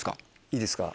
いいですか？